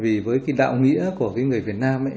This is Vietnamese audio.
vì với cái đạo nghĩa của cái người việt nam ấy